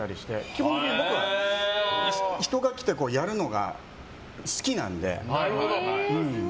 基本的に僕は人が来てやるのが好きなので。